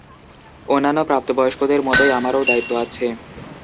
অন্যান্য প্রাপ্তবয়স্কদের মতোই আমারও দায়িত্ব আছে।